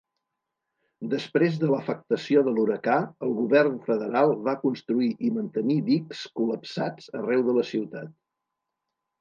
Després de l'afectació de l'huracà, el govern federal va construir i mantenir dics col·lapsats arreu de la ciutat.